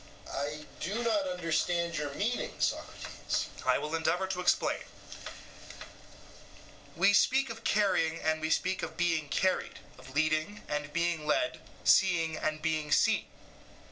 EUTHYPHRO: I do not understand your meaning, Socrates. SOCRATES: I will endeavour to explain: we, speak of carrying and we speak of being carried, of leading and being led, seeing and being seen.